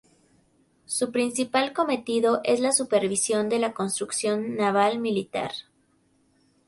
Su principal cometido es la supervisión de la construcción naval-militar.